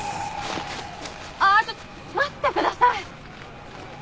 ああちょっと待ってください！